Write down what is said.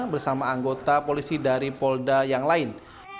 bersama anggota polisi dari polda yang lain